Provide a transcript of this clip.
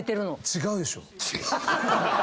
違うでしょ。